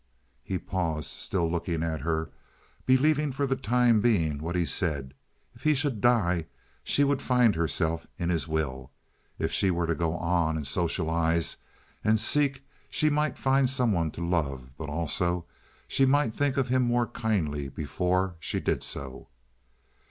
He paused, still looking at her, believing for the time being what he said. If he should die she would find herself in his will. If she were to go on and socialize and seek she might find some one to love, but also she might think of him more kindly before she did so.